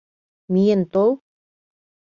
Миен тол.